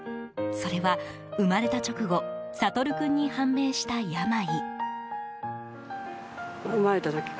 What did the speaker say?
それは、生まれた直後惺君に判明した病。